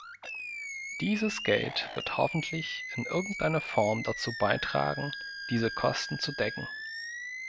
Dieses Geld wird hoffentlich in irgendeiner Form dazu beitragen, diese Kosten zu decken.